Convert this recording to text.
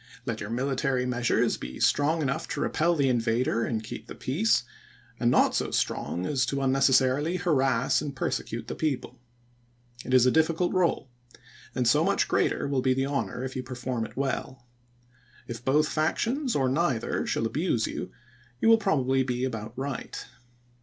Let your military measures be strong enough to repel the invader and keep the peace, and not so strong as to unnecessarily harass and persecute the people. It is a difficult role, and so much greater Lincoln to ^^^^®^^^ houor if you perform it well. If both ^May^a?!' factious, or neither, shall abuse you, you will prob voL xxT?; ably ^^ about right.